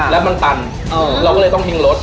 แล้วมันตันเราก็เลยต้องทิ้งรถ